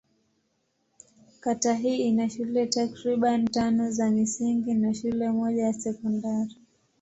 Kata hii ina shule takriban tano za msingi na shule moja ya sekondari.